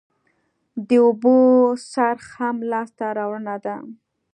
د اوبو څرخ هم لاسته راوړنه وه